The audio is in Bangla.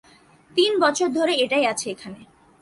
তিন বছর ধরে এটাই আছে এখানে।